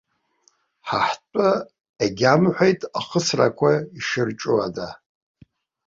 Ҳа ҳтәы егьамҳәеит, ахысрақәа ишырҿу ада.